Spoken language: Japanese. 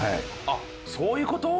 あっそういう事？